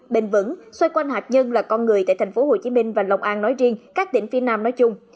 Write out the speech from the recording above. bền vững xoay quan hạt nhân là con người tại thành phố hồ chí minh và long an nói riêng các tỉnh phía nam nói chung